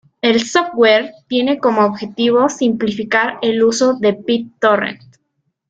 El software tiene como objetivo simplificar el uso de BitTorrent.